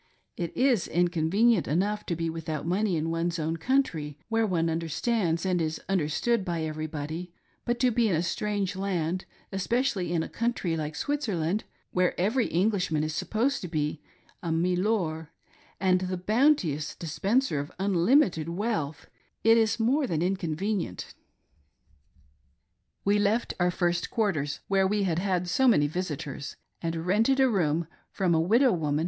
It is inconvenient enough to be without money in one's own country, where one understands and is understood by every body ; but to be in a strange land, especially in a country like Switzerland, where every Englishman is supposed to be a "milor" and the bounteous dispenser of Unlimited wealth, it is more than inconvenient. We left our first quarters, where we had had so many visitors, and rented a room from a widow woman.